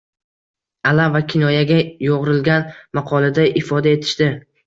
Alam va kinoyaga yo‘g‘rilgan maqolida ifoda etishdi